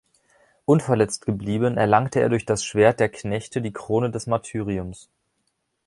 Unverletzt geblieben, erlangte er durch das Schwert der Knechte die Krone des Martyriums.